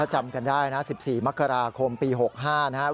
จำกันได้นะ๑๔มกราคมปี๖๕นะครับ